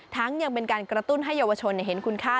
ยังเป็นการกระตุ้นให้เยาวชนเห็นคุณค่า